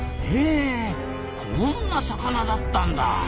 へえこんな魚だったんだ。